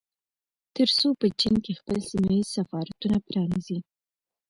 ترڅو په چين کې خپل سيمه ييز سفارتونه پرانيزي